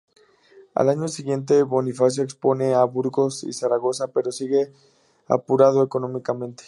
Al año siguiente, Bonifacio expone en Burgos y Zaragoza, pero sigue apurado económicamente.